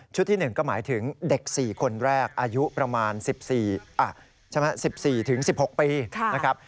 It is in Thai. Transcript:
ที่๑ก็หมายถึงเด็ก๔คนแรกอายุประมาณ๑๔๑๖ปีนะครับ